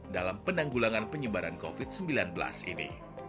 dalam penanggulangan penyebaran covid sembilan belas ini